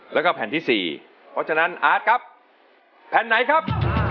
แล้วก็แผ่นที่๔เพราะฉะนั้นอาร์ตครับแผ่นไหนครับ